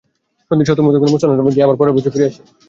সন্ধির শর্ত মোতাবেক মুসলমানরা ফিরে গিয়ে পরের বছর আবার আসে।